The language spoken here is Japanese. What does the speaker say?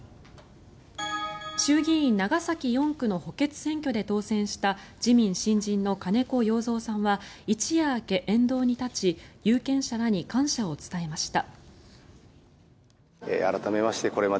衆議院長崎４区の補欠選挙で当選した自民新人の金子容三さんは一夜明け沿道に立ち有権者らに感謝を伝えました。